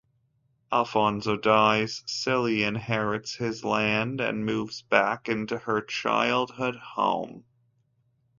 Alphonso dies, Celie inherits his land, and moves back into her childhood home.